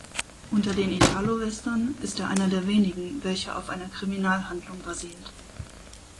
Unter den Italowestern ist er einer der wenigen, welcher auf einer Kriminalhandlung basiert.